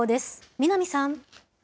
南さん。